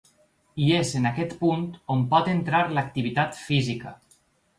I és en aquest punt on pot entrar l’activitat física.